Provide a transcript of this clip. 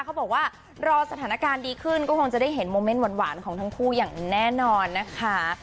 เขาบอกว่ารอสถานการณ์ดีขึ้นก็คงจะได้เห็นโมเมนต์หวานของทั้งคู่อย่างแน่นอนนะคะ